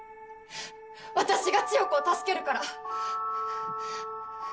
私が千世子を助けるから。